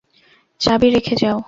চাবি রেখে যাও।